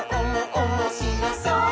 おもしろそう！」